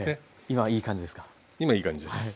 今はいい感じですか？